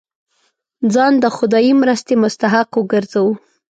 ځان د خدايي مرستې مستحق وګرځوو.